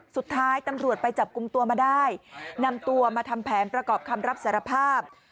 สุดท้ายตำรวจไปจับกลุ่มตัวมาได้นำตัวมาทำแผนประกอบคำรับสารภาพ